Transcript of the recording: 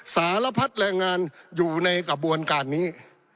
สารพัดแรงงานอยู่ในกระบวนการนี้